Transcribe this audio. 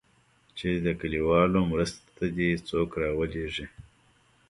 چې د كليوالو مرستې ته دې څوك راولېږي.